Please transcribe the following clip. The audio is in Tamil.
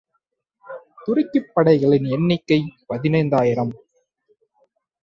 துருக்கிப் படைகளின் எண்ணிக்கை பதினையாயிரம்.